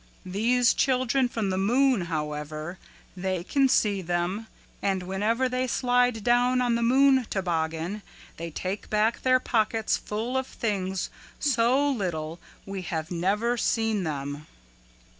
These children from the moon, however, they can see them and whenever they slide down on the moon toboggan they take back their pockets full of things so little we have never seen them."